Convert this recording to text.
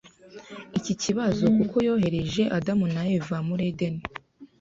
iki kibazo kuko yohereje Adamu na Eva muri Edeni